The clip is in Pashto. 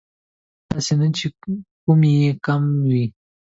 هسې نه چې کوم يې کم وي